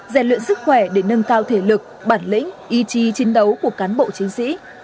giải luyện sức khỏe để nâng cao thể lực bản lĩnh ý chí chiến đấu của cán bộ chiến sĩ